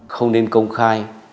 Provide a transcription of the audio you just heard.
không nên công khai